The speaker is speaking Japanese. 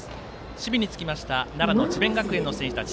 守備につきました奈良の智弁学園の選手たち。